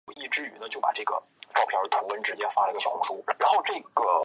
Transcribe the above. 在二号出口